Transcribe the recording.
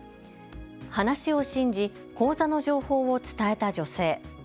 話を信じ口座の情報を伝えた女性。